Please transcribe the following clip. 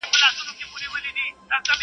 ټولنیزې شبکې د اړیکو وسیله ده